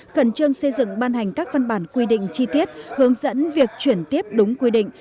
khẩn trương xây dựng ban hành các văn bản quy định chi tiết hướng dẫn việc chuyển tiếp đúng quy định